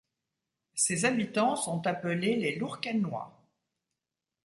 Ses habitants sont appelés les Lourquennois.